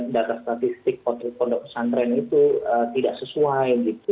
data statistik untuk pendok pesantren itu tidak sesuai